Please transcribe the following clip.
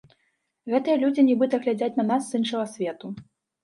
Гэтыя людзі нібыта глядзяць на нас з іншага свету.